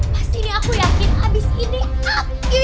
pasti aku yakin abis ini abis ini